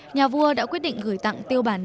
nhà vua đã quyết định gửi tặng